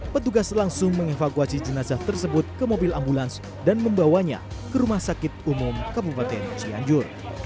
petugas langsung mengevakuasi jenazah tersebut ke mobil ambulans dan membawanya ke rumah sakit umum kabupaten cianjur